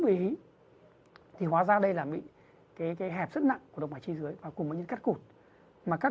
bị ý thì hóa ra đây là bị cái hẹp rất nặng của động vải chi dưới và cùng với những cắt cụt mà cắt